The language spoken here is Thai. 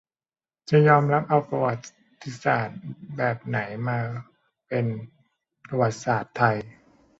จะยอมรับเอาประวัติศาสตร์แบบไหนมาเป็นประวัติศาสตร์ไทย